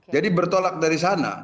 jadi bertolak dari sana